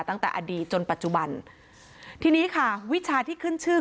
ตั้งแต่อดีตจนปัจจุบันทีนี้ค่ะวิชาที่ขึ้นชื่อ